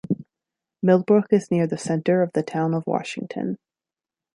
Millbrook is near the center of the Town of Washington.